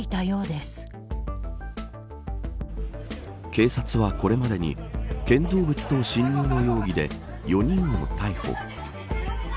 警察はこれまでに建造物等侵入の容疑で４人を逮捕。